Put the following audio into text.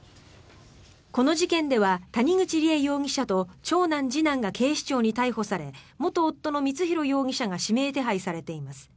この事件では谷口梨恵容疑者と長男、次男が警視庁に逮捕され元夫の光弘容疑者が指名手配されています。